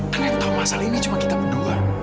kan yang tau masalah ini cuma kita berdua